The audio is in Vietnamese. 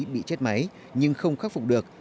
bị chết máy nhưng không khắc phục được